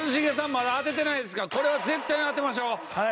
まだ当ててないですからこれは絶対に当てましょう。